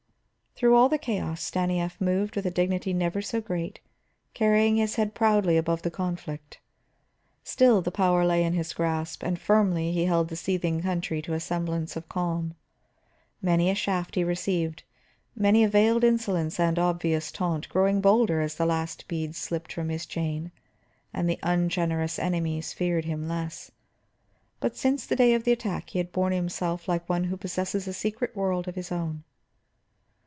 Through all the chaos Stanief moved with a dignity never so great, carrying his head proudly above the conflict. Still the power lay in his grasp, and firmly he held the seething country to a semblance of calm. Many a shaft he received, many a veiled insolence and obvious taunt, growing bolder as the last beads slipped from his chain and the ungenerous enemies feared him less; but since the day of the attack he had borne himself like one who possesses a secret world of his own.